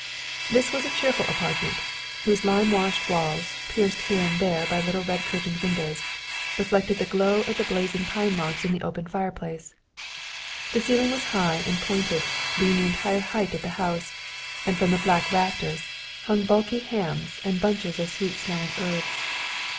This was a cheerful apartment, whose lime washed walls, pierced here and there by little red curtained windows, reflected the glow of the blazing pine logs in the open fire place. The ceiling was high and pointed, being the entire height of the house, and from the black rafters hung bulky hams and bunches of sweet smelling herbs.